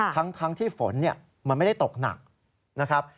ทั้งที่ฝนมันไม่ได้ตกหนักนะครับ